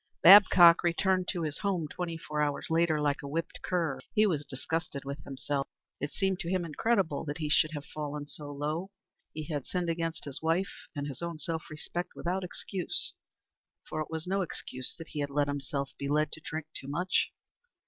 Babcock returned to his home twenty four hours later like a whipped cur. He was disgusted with himself. It seemed to him incredible that he should have fallen so low. He had sinned against his wife and his own self respect without excuse; for it was no excuse that he had let himself be led to drink too much.